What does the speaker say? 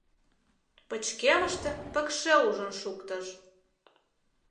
Пычкемыште пыкше ужын шуктыш.